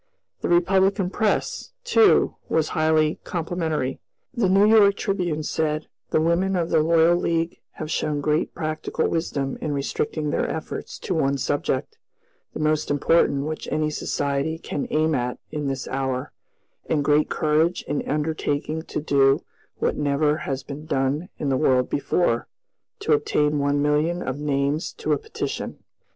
The Republican press, too, was highly complimentary. The New York Tribune said: "The women of the Loyal League have shown great practical wisdom in restricting their efforts to one subject, the most important which any society can aim at in this hour, and great courage in undertaking to do what never has been done in the world before, to obtain one million of names to a petition."